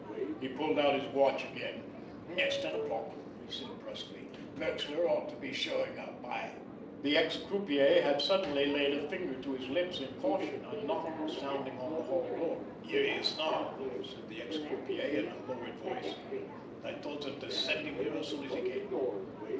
He pulled out his watch again. "It's ten o'clock!" he said brusquely. "Merxler ought to be showing up. I——" The ex croupier had suddenly laid a finger to his lips in caution. A knock was sounding on the hall door. "Here he is now," said the ex croupier, in a lowered voice. "I told them to send him here as soon as he came."